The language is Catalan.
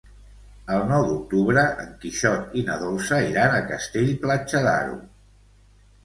El nou d'octubre en Quixot i na Dolça iran a Castell-Platja d'Aro.